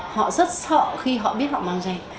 họ rất sợ khi họ biết họ mang dây